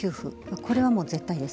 これは絶対です。